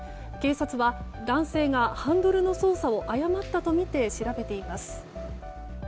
警察は男性がハンドルの操作を誤ったとみて調べています。